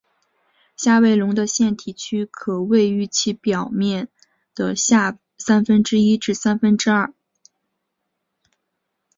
下位笼的腺体区可位于其内表面的下三分之一至三分之二。